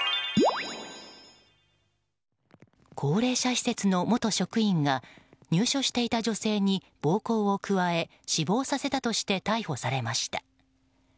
高齢者施設の元職員が入所していた女性に暴行を加え死亡させたとして逮捕されました。